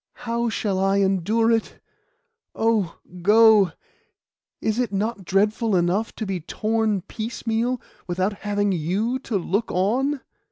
How shall I endure it? Oh, go! Is it not dreadful enough to be torn piecemeal, without having you to look on?